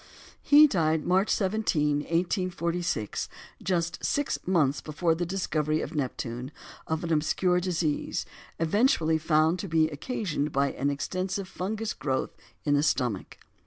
He died March 17, 1846, just six months before the discovery of Neptune, of an obscure disease, eventually found to be occasioned by an extensive fungus growth in the stomach.